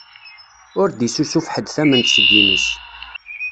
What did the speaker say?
Ur d-issusuf ḥedd tament seg imi-s.